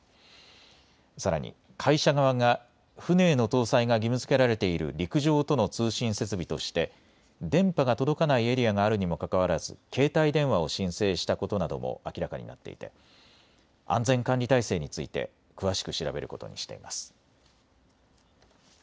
さらに会社側が船への搭載が義務づけられている陸上との通信設備として電波が届かないエリアがあるにもかかわらず携帯電話を申請したことなども明らかになっていて安全管理体制について詳しく調べることにしています。